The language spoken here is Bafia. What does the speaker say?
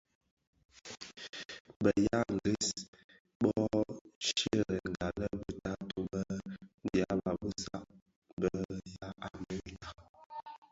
Bë ya ngris bö sherènga lè be taatôh bë dyaba bë saad bë bë ya Amerika.